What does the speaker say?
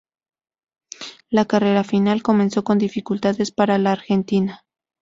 La carrera final comenzó con dificultades para la argentina.